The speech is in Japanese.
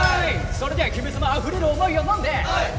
それでは姫様あふれる思いを飲んで飲んで。